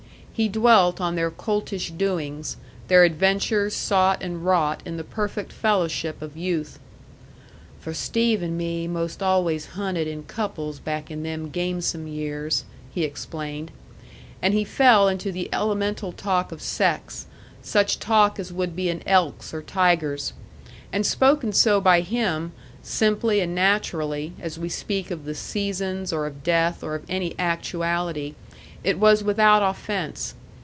He dwelt on their coltish doings, their adventures sought and wrought in the perfect fellowship of youth. "For Steve and me most always hunted in couples back in them gamesome years," he explained. And he fell into the elemental talk of sex, such talk as would be an elk's or tiger's; and spoken so by him, simply and naturally, as we speak of the seasons, or of death, or of any actuality, it was without offense.